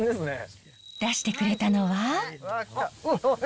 出してくれたのは。